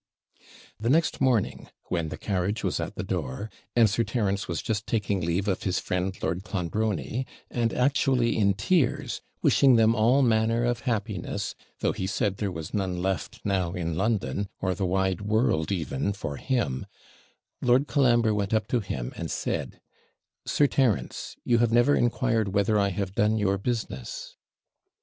The next morning, when the carriage was at the door, and Sir Terence was just taking leave of his friend Lord Clonbrony, and actually in tears, wishing them all manner of happiness, though he said there was none left now in London, or the wide world, even, for him Lord Colambre went up to him, and said, 'Sir Terence, you have never inquired whether I have done your business?'